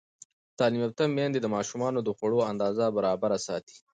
تعلیم یافته میندې د ماشومانو د خوړو اندازه برابره ساتي.